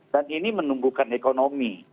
dan ini menumbuhkan ekonomi